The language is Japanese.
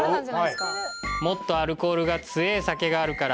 「もっとアルコールが強え酒があるから」